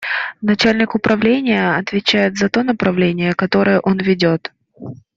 Начальник управления отвечает за то направление, которое он ведет.